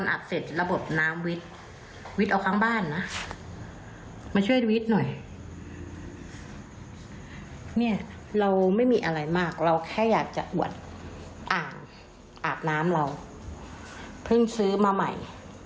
อาบน้ำเราเพิ่งซื้อมาใหม่